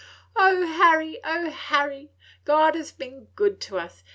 "O Harry, Harry! God has been good to us!